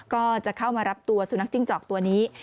ก็จะเข้ามารับตัวสุนัขจิ้งจอกตัวนี้